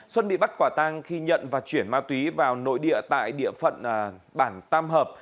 xuân bị bắt quả tang khi nhận và chuyển ma túy vào nội địa tại địa phận bản tam hợp